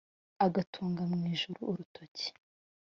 agutunga mu ijuru urutoki